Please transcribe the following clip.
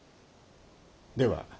では。